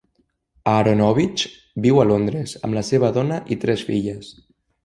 Aaronovitch viu a Londres amb la seva dona i tres filles.